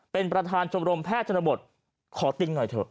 เป็นประธานชมรมแพทย์ชนบทขอติ๊งหน่อยเถอะ